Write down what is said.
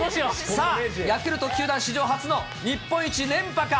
さあ、ヤクルト史上初の日本一連覇か。